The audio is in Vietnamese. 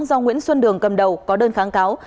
do nguyễn xuân đường cầm đầu có đơn kháng cáo